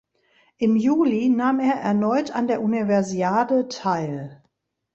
Im Juli nahm er erneut an der Universiade teil.